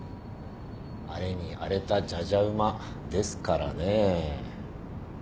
荒れに荒れたじゃじゃ馬ですからねえ。